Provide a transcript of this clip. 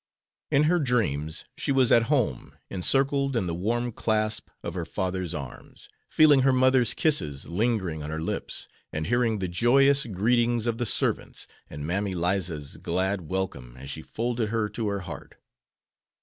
In her dreams she was at home, encircled in the warm clasp of her father's arms, feeling her mother's kisses lingering on her lips, and hearing the joyous greetings of the servants and Mammy Liza's glad welcome as she folded her to her heart.